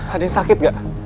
ada yang sakit gak